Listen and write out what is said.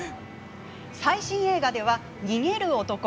最新映画では、逃げる男。